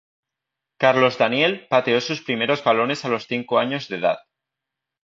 Carlos Daniel pateó sus primeros balones a los cinco años de edad.